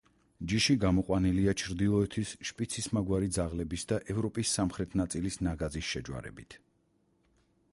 ჯიში გამოყვანილია ჩრდილოეთის შპიცისმაგვარი ძაღლების და ევროპის სამხრეთ ნაწილის ნაგაზის შეჯვარებით.